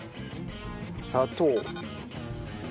砂糖。